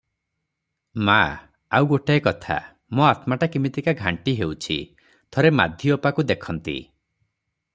"ମା! ଆଉ ଗୋଟାଏ କଥା, ମୋ ଆତ୍ମାଟା କିମିତିକା ଘାଣ୍ଟି ହେଉଛି, ଥରେ ମାଧୀ ଅପାକୁ ଦେଖନ୍ତି ।"